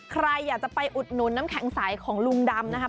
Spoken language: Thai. ใครอยากจะไปอุดหนุนน้ำแข็งใสของลุงดำนะครับ